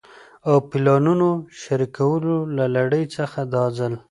او پلانونو د شريکولو له لړۍ څخه دا ځل